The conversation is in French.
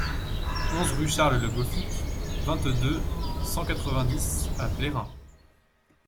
onze rue Charles Le Goffic, vingt-deux, cent quatre-vingt-dix à Plérin